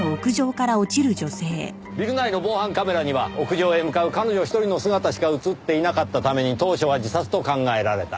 ビル内の防犯カメラには屋上へ向かう彼女１人の姿しか映っていなかったために当初は自殺と考えられた。